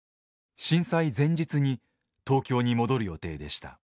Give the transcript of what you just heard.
震災前日に東京に戻る予定でした。